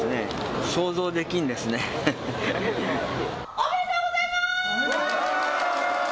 おめでとうございます！